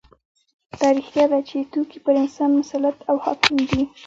دا رښتیا ده چې توکي پر انسان مسلط او حاکم دي